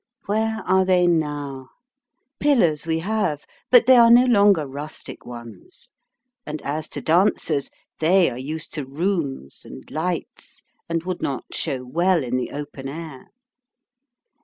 Where are they now ? Pillars we have, but they are no longer rustic ones ; and as to dancers, they are used to rooms, and lights, and would not show well in the open air.